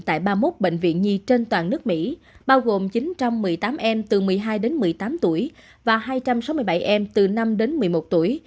tại ba mươi một bệnh viện nhi trên toàn nước mỹ bao gồm chín trăm một mươi tám em từ một mươi hai đến một mươi tám tuổi và hai trăm sáu mươi bảy em từ năm đến một mươi một tuổi